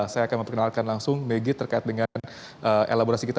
saya akan memperkenalkan langsung megi terkait dengan elaborasi kita